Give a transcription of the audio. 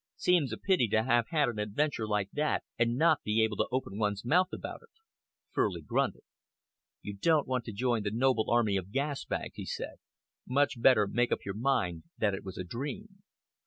Seems a pity to have had an adventure like that and not be able to open one's mouth about it." Furley grunted. "You don't want to join the noble army of gas bags," he said. "Much better make up your mind that it was a dream."